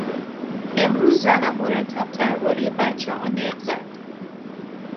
امروز زنم مرتب دربارهی بچهها نق زد.